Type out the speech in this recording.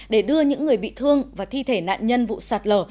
để đưa những người bị thương và thi thể nạn nhân vụ sạt lở